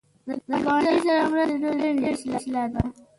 د ګاونډي سره مرسته د ټولنې اصلاح ده